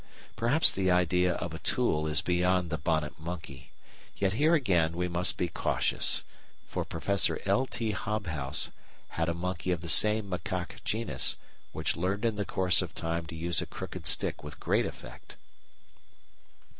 Perhaps the idea of a "tool" is beyond the Bonnet Monkey, yet here again we must be cautious, for Professor L. T. Hobhouse had a monkey of the same macaque genus which learned in the course of time to use a crooked stick with great effect.